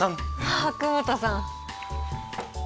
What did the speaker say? あ久保田さん。